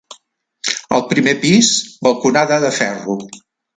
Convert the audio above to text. Al primer pis balconada de ferro.